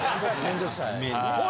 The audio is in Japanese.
面倒くさいです。